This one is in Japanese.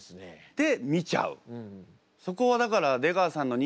で見ちゃう。